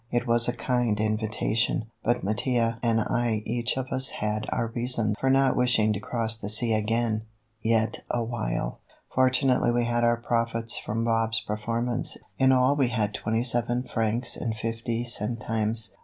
It was a kind invitation, but Mattia and I each of us had our reason for not wishing to cross the sea again ... yet awhile. Fortunately we had our profits from Bob's performance. In all we had twenty seven francs and fifty centimes.